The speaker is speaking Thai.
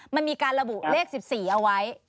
มันมีการระบุเลข๑๔เอาไว้